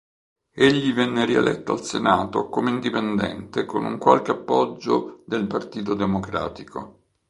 Egli venne rieletto al Senato come indipendente con un qualche appoggio del Partito Democratico.